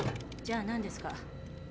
じゃあなんですか？